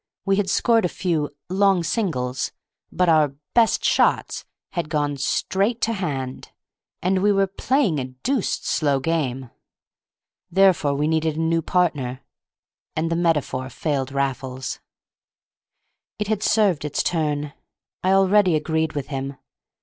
We had scored a few "long singles," but our "best shots" had gone "straight to hand," and we were "playing a deuced slow game." Therefore we needed a new partner—and the metaphor failed Raffles. It had served its turn. I already agreed with him.